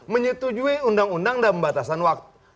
menyetujui undang undang dan batasan waktu